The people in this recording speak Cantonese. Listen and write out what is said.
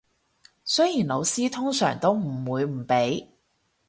雖然老師通常都唔會唔俾